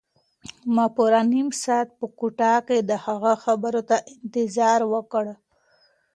ما پوره نیم ساعت په کوټه کې د هغه خبرو ته انتظار وکړ.